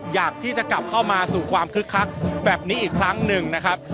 อยากที่จะกลับเข้ามาสู่ความคึกคักแบบนี้อีกครั้งหนึ่งนะครับ